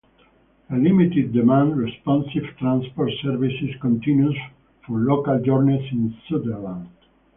A limited demand responsive transport service continues for local journeys in Sunderland.